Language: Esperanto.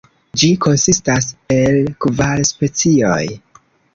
Ĝi konsistas el kvar specioj.